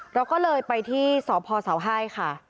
เราก็เลยไปที่สพเสาไห้ค่ะ